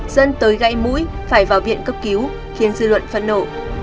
dân tới gãy mũi phải vào viện cấp cứu khiến dư luận phẫn nộ